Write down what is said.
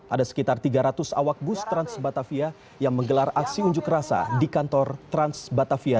ada sekitar tiga ratus awak bus transbatavia yang menggelar aksi unjuk rasa di kantor transbatavia